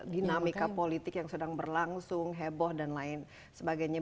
dinamika politik yang sedang berlangsung heboh dan lain sebagainya